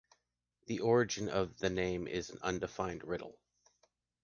The origin of the name is an undefined riddle.